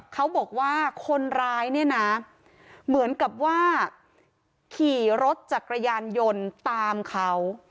เขาบอกว่าคนร้ายเนี่ยนะเหมือนกับว่าขี่รถจักรยานยนต์ตามเขา